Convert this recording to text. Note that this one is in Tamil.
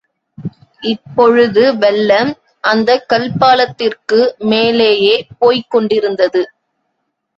இப்பொழுது வெள்ளம் அந்தக் கல்பாலத்திற்கு மேலேயே போய்க் கொண்டிருந்தது.